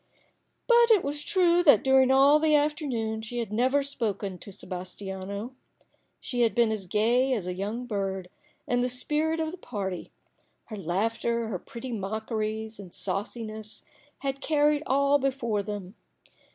But it was true that during all the afternoon she had never once spoken to Sebas tiano. She had been as gay as a young bird, and the spirit of the party, her laughter, her pretty mockeries and sauciness, had carried all before them.